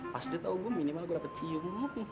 pas dia tahu gue minimal gue dapat cium